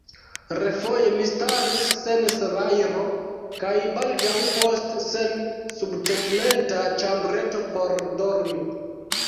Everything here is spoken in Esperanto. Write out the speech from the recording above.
Refoje mi staris sen salajro, kaj baldaŭ poste sen subtegmenta ĉambreto por dormi.